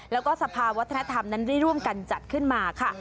แล้วก็สภาวัฒนธรรมนั้นได้ร่วมกันจัดขึ้นมาค่ะ